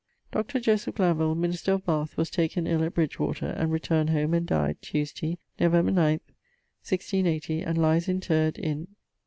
Dr. Joseph Glanville, minister of Bathe, was taken ill at Bridgewater, and returned home and dyed, Tuesday, November 9, 1680, and lies interred in